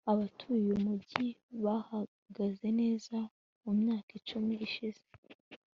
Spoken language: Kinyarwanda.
abatuye uyu mujyi bahagaze neza mumyaka icumi ishize